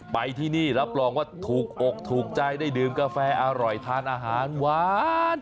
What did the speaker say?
ไปที่นี่รับรองว่าถูกอกถูกใจได้ดื่มกาแฟอร่อยทานอาหารหวาน